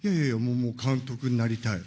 もう、監督になりたい。